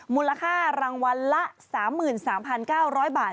มูลค่ารางวัลละ๓๓๙๐๐บาท